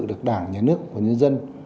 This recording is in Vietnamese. được đảng nhà nước và nhân dân